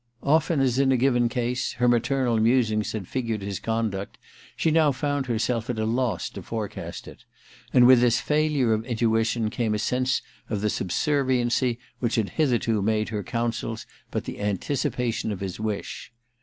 Often as, in a given case, her maternal musings had figured his conduct, she now found herself at a loss to forecast it ; and with this failure of intuition came a sense of the subserviency which had hitherto made her counsels but the anticipa tion of his wish.